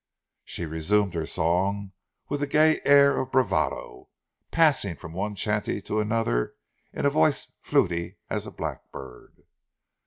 She resumed her song with a gay air of bravado; passing from one chanty to another in a voice fluty as a blackbird.